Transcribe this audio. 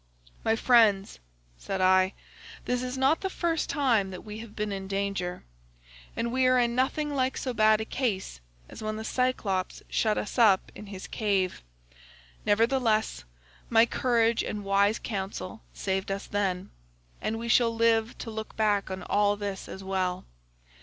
"'My friends,' said I, 'this is not the first time that we have been in danger, and we are in nothing like so bad a case as when the Cyclops shut us up in his cave; nevertheless, my courage and wise counsel saved us then, and we shall live to look back on all this as well.